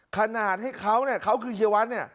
ขนาดให้แบบเค้าคือเฮียวัด